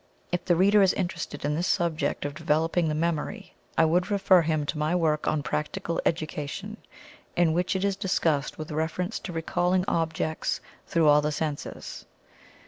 If the reader is interested in this subject of developing the memory, I would refer him to my work on Practical Education in which it is discussed with reference to recalling objects through all the Senses.